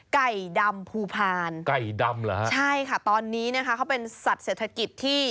ไก่ดำภูพานใช่ค่ะตอนนี้เนี่ยค่ะเขาเป็นสัตว์เศรษฐกิจที่